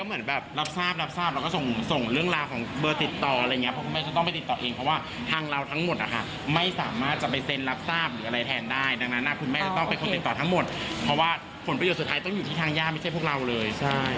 เพราะว่าผลประโยชน์สุดท้ายต้องอยู่ที่ทางย่าไม่ใช่พวกเราเลย